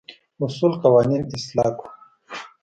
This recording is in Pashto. اصول قوانين اصلاح کړو.